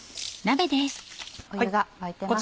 湯が沸いてますね。